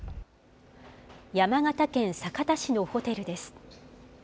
山形県酒田市のホテルです。